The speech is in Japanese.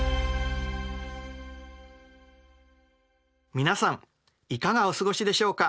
皆さんいかがお過ごしでしょうか？